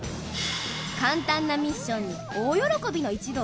簡単なミッションに大喜びの一同。